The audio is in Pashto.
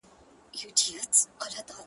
نن محتسب له خپل کتابه بندیز ولګاوه!